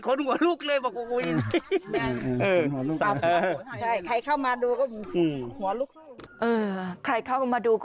ขนหัวลูกเลยบอกว่าเออใครเข้ามาดูก็หัวลูกสู้เออใครเข้ามาดู